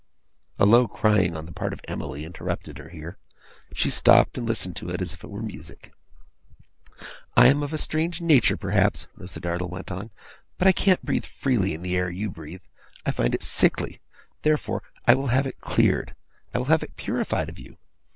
A low crying, on the part of Emily, interrupted her here. She stopped, and listened to it as if it were music. 'I am of a strange nature, perhaps,' Rosa Dartle went on; 'but I can't breathe freely in the air you breathe. I find it sickly. Therefore, I will have it cleared; I will have it purified of you.